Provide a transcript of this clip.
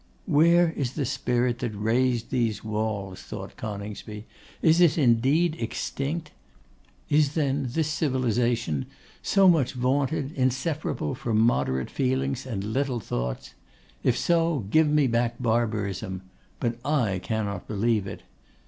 'Where is the spirit that raised these walls?' thought Coningsby. 'Is it indeed extinct? Is then this civilisation, so much vaunted, inseparable from moderate feelings and little thoughts? If so, give me back barbarism! But I cannot believe it.